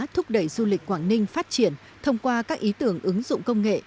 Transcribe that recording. thúc đẩy du lịch quảng ninh phát triển thông qua các ý tưởng ứng dụng công nghệ